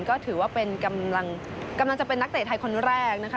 ก็ถือว่าเป็นกำลังจะเป็นนักเตะไทยคนแรกนะคะ